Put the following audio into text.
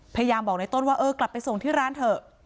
พยายามบอกในต้นว่าเออกลับไปส่งที่ร้านเถอะ